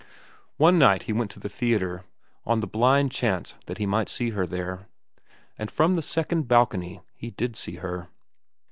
One night he went to the theatre, on the blind chance that he might see her there, and from the second balcony he did see her.